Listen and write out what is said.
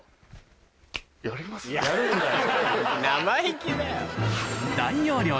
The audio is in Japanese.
生意気だよ。